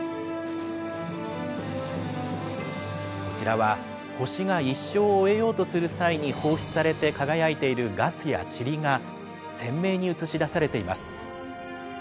こちらは星が一生を終えようとする際に放出されて輝いているガスやちりが、鮮明に写しだされています。